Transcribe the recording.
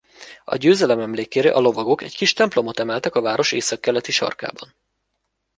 A győzelem emlékére a lovagok egy kis templomot emeltek a város északkeleti sarkában.